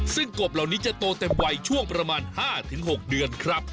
ซึ่งกบเหล่านี้จะโตเต็มวัยช่วงประมาณ๕๖เดือนครับ